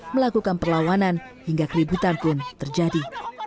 melakukan perlawanan hingga keributan pun terjadi